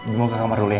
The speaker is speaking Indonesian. bimo ke kamar dulu ya